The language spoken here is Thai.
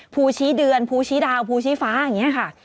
ภูชีเดือนภูชีดาวภูชีฟ้าอย่างนี้ค่ะ